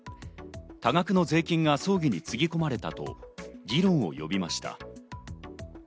多額の税金が葬儀につぎ込まれたと議論を呼びました。